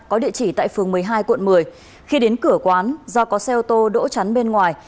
có địa chỉ tại phường một mươi hai quận một mươi khi đến cửa quán do có xe ô tô đỗ chắn bên ngoài